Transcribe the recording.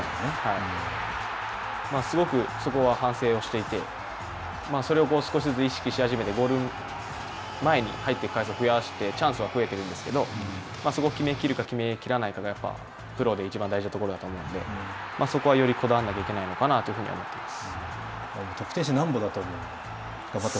すごくそこは反省をしていて、それを少しずつ意識し始めてゴール前に入っていく回数を増やしてチャンスは増えているんですけれども、そこを決め切るか、決め切らないかはプロでいちばん大事なところだと思うのでそこはよりこだわらなければいけないなと思います。